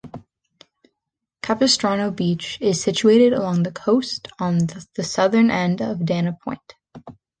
Capistrano Beach is situated along the coast on the southern end of Dana Point.